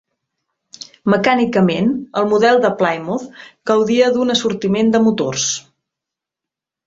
Mecànicament el model de Plymouth gaudia d'un assortiment de motors.